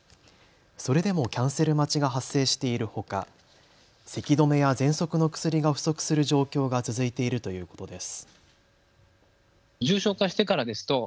それでもキャンセル待ちが発生しているほか、せき止めやぜんそくの薬が不足する状況が続いているということです。